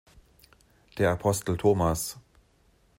Der Apostel Thomas.